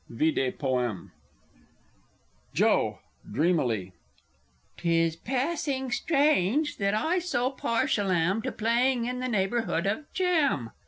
Vide Poem. Joe (dreamily.) 'Tis passing strange that I so partial am To playing in the neighbourhood of Jam!